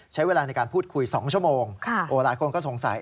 ใช้เวลาในการพูดคุย๒ชั่วโมงหลายคนก็สงสัย